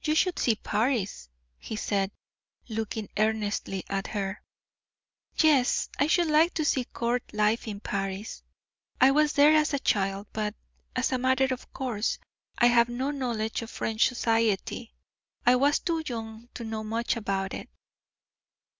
"You should see Paris," he said, looking earnestly at her. "Yes, I should like to see court life in Paris. I was there as a child, but, as a matter of course, I have no knowledge of French society. I was too young to know much about it."